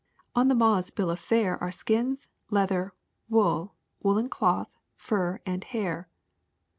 On the moth's bill of fare are skins, leather, wool, woolen cloth, fur, and hair.